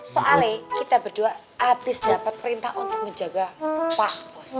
soalnya kita berdua habis dapat perintah untuk menjaga upah